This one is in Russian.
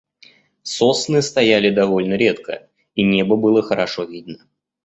Сосны стояли довольно редко и небо было хорошо видно.